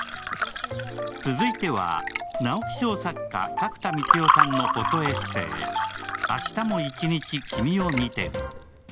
続いては直木賞・角田光代さんのフォトエッセイ、「明日も一日きみを見てる」。